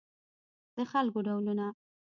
د خلکو ډولونه